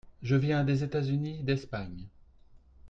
Je viens (des États-Unis, d'Espagne).